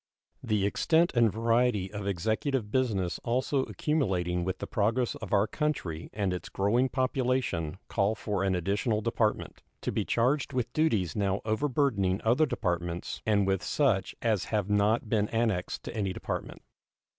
The extent and variety of executive business also accumulating with the progress of our country and its growing population call for an additional department, to be charged with duties now over burdening other departments and with such as have not been annexed to any department.